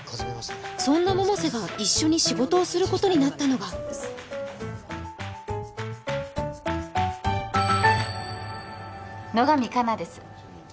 そんな百瀬が一緒に仕事をすることになったのが野上香菜です